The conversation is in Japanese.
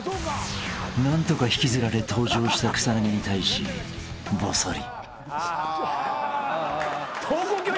［何とか引きずられ登場した草薙に対しボソリ］